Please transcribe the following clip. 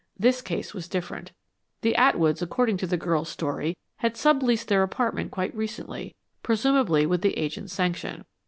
This case was different. The Atwoods, according to the girl's story, had sub leased their apartment quite recently, presumably with the agent's sanction.